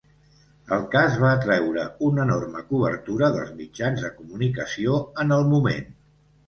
El cas va atreure una enorme cobertura dels mitjans de comunicació en el moment.